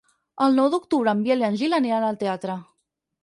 El nou d'octubre en Biel i en Gil aniran al teatre.